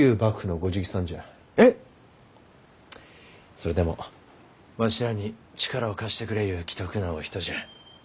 それでもわしらに力を貸してくれゆう奇特なお人じゃ。